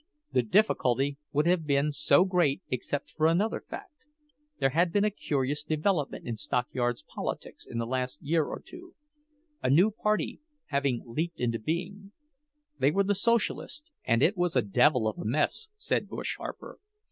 The difficulty would not have been so great except for another fact—there had been a curious development in stockyards politics in the last year or two, a new party having leaped into being. They were the Socialists; and it was a devil of a mess, said "Bush" Harper.